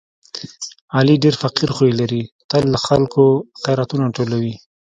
علي ډېر فقیر خوی لري، تل له خلکو خیراتونه ټولوي.